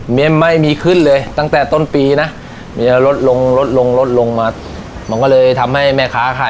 ไม่มีขึ้นเลยตั้งแต่ต้นปีลดลงลดลงมา